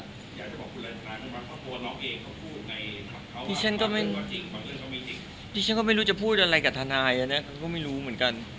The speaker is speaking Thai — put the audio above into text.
นี่ฉันก็ไม่รู้จะพูดอะไรกับทนายอันนี้ก็ไม่รู้เหมือนกัน